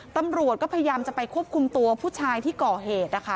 ตำรวจก็พยายามจะไปควบคุมตัวผู้ชายที่ก่อเหตุนะคะ